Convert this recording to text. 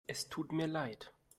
Es tut mir leid.